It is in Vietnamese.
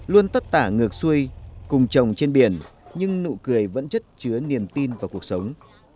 luôn tất tả ngược xuôi cùng trồng trên biển nhưng nụ cười vẫn chất chứa niềm tin vào cuộc sống